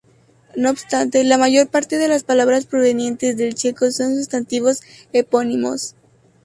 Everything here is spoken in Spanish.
No obstante, la mayor parte de las palabras provenientes del checo son sustantivos epónimos.